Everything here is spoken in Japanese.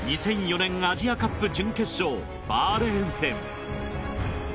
２００４年アジアカップ準決勝バーレーン戦。